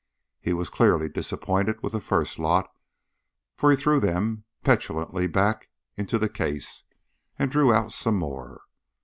He was clearly disappointed with the first lot, for he threw them petulantly back into the case, and drew out some more.